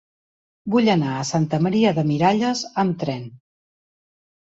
Vull anar a Santa Maria de Miralles amb tren.